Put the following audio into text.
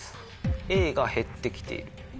Ａが減って来ている。